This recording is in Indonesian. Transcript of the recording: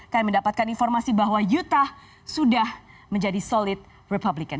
kami mendapatkan informasi bahwa yuta sudah menjadi solid republican